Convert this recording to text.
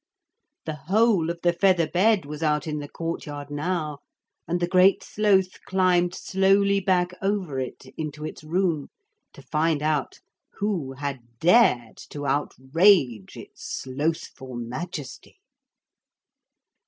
The whole of the feather bed was out in the courtyard now, and the Great Sloth climbed slowly back over it into its room to find out who had dared to outrage its Slothful Majesty.